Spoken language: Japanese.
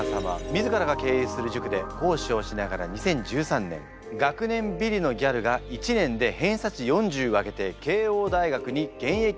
自らが経営する塾で講師をしながら２０１３年「学年ビリのギャルが１年で偏差値を４０上げて慶應大学に現役合格した話」